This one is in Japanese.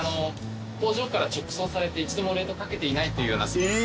工場から直送されて一度も冷凍かけていないっていうような。